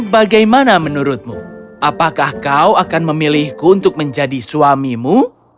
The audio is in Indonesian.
bagaimana menurutmu apakah kau akan memilihku untuk menjadi suamimu